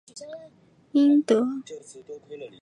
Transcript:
英德羊蹄甲为豆科羊蹄甲属下的一个变种。